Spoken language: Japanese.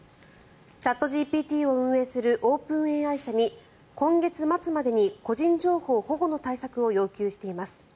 チャットＧＰＴを運営するオープンＡＩ社に今月末までに個人情報保護の対策を要求しています。